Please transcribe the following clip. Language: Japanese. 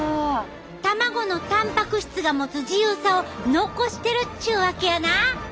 卵のたんぱく質が持つ自由さを残してるっちゅうわけやな！